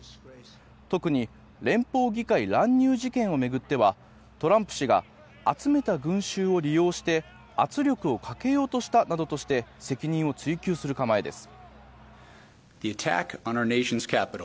特に連邦議会乱入事件を巡ってはトランプ氏が集めた群衆を利用して圧力をかけようとしたなどとして責任を追及する構えです。